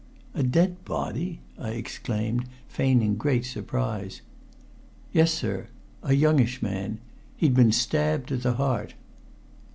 "A dead body!" I exclaimed, feigning great surprise. "Yes, sir a youngish man. He'd been stabbed to the heart."